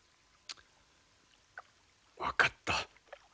分かった。